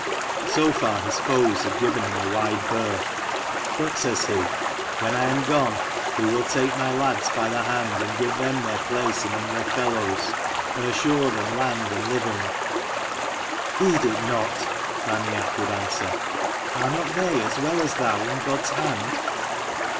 So far his foes had given him a wide berth; but says he "When I am gone, who will take my lads by the hand, and give them their place among their fellows, and assure them land and living?" " Heed it not," Raineach would answer. "Are not they as well as thou in God's hand?"